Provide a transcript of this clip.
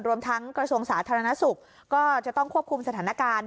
รวมทั้งกระทรวงสาธารณสุขก็จะต้องควบคุมสถานการณ์